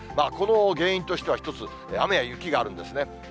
この原因としては一つ、雨や雪があるんですね。